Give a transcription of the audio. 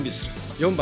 ４番。